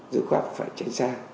dự khoác phải tránh xa